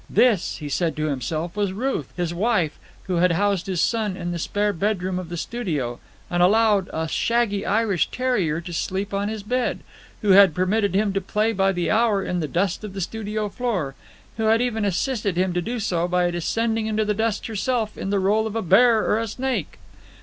This, he said to himself, was Ruth, his wife, who had housed his son in the spare bedroom of the studio and allowed a shaggy Irish terrier to sleep on his bed; who had permitted him to play by the hour in the dust of the studio floor, who had even assisted him to do so by descending into the dust herself in the role of a bear or a snake.